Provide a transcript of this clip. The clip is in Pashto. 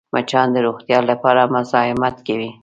مچان د روغتیا لپاره مزاحمت کوي